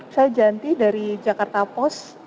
saya janti dari jakarta post